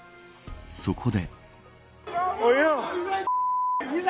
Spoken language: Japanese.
そこで。